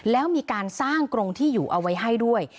แล้วมีการสร้างกรงที่อยู่เอาไว้ให้ด้วย